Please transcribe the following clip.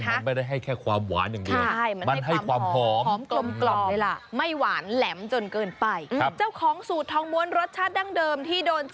มันไม่ได้ให้แค่ความหวานอย่างเดียว